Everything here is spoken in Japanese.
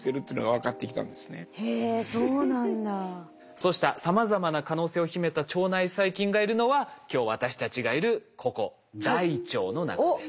そうしたさまざまな可能性を秘めた腸内細菌がいるのは今日私たちがいるここ大腸の中です。